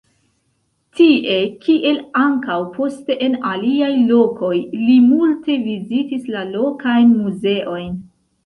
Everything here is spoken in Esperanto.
Tie, kiel ankaŭ poste en aliaj lokoj li multe vizitis la lokajn muzeojn.